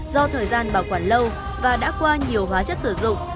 do thời gian bảo quản lâu và đã qua nhiều hóa chất sử dụng